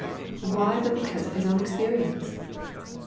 Why but because of His own experience?